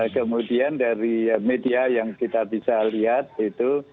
kemudian dari media yang kita bisa lihat itu